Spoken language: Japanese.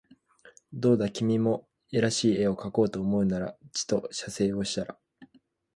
どうだ君も画らしい画をかこうと思うならちと写生をしたら